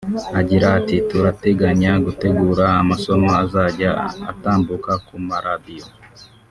Agira ati “ Turateganya gutegura amasomo azajya atambuka ku ma radiyo